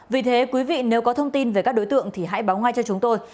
vì thế quý vị nếu có thông tin về các đối tượng thì hãy báo ngay cho chúng tôi